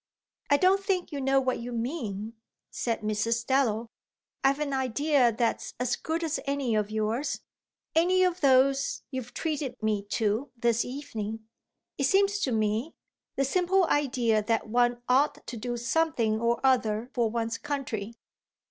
"I don't think you know what you mean," said Mrs. Dallow. "I've an idea that's as good as any of yours, any of those you've treated me to this evening, it seems to me the simple idea that one ought to do something or other for one's country."